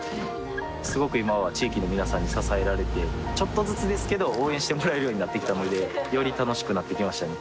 すごく今は地域の皆さんに支えられてちょっとずつですけど応援してもらえるようになってきたのでより楽しくなってきましたね